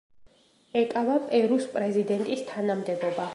ეკავა პერუს პრეზიდენტის თანამდებობა.